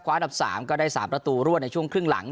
ขวาดับสามก็ได้สาประตูรวดในช่วงครึ่งหลัง